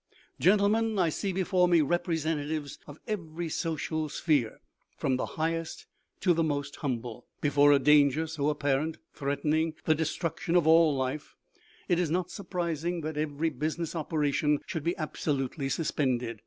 " Gentlemen, I see before me representatives of every social sphere, from the highest to the most humble. Before a danger so apparent, threatening the destruc tion of all life, it is not surprising that every busi ness operation should be absolutely suspended.